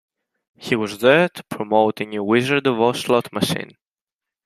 He was there to promote a new Wizard of Oz slot machine.